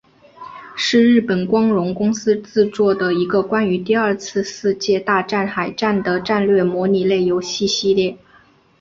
是日本光荣公司制作的一个关于第二次世界大战海战的战略模拟类游戏系列。